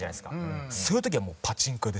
そういう時はパチンコ屋です。